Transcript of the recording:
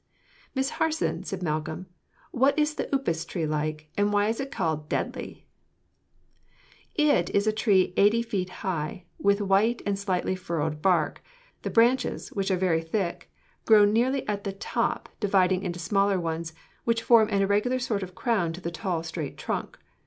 "Miss Harson," said Malcolm, "what is the upas tree like, and why is it called deadly?" "It is a tree eighty feet high, with white and slightly furrowed bark; the branches, which are very thick, grow nearly at the top, dividing into smaller ones, which form an irregular sort of crown to the tall, straight trunk.